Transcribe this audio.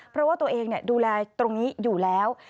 เพราะว่าตัวเองดูแลตรงนี้อยู่แล้ว